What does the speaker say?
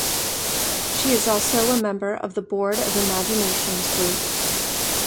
She is also a member of the board of ImagineNations Group.